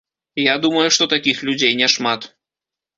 Я думаю, што такіх людзей няшмат.